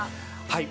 はい。